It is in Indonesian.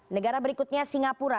negara berikutnya singapura